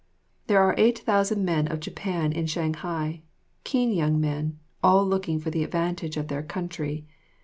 There are eight thousand men of Japan in Shanghai, keen young men, all looking for the advantage of their country.